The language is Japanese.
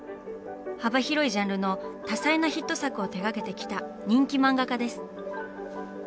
幅広いジャンルの多彩なヒット作を手がけてきた人気漫画家です。